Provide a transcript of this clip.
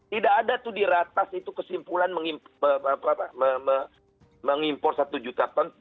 tidak ada di ratas kesimpulan mengimpor satu juta ton